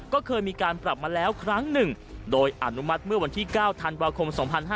ก็เคยมีการปรับมาแล้วครั้งหนึ่งโดยอนุมัติเมื่อวันที่๙ธันวาคม๒๕๕๙